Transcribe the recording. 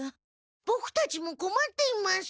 ボクたちもこまっています。